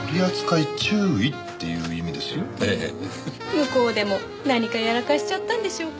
向こうでも何かやらかしちゃったんでしょうか？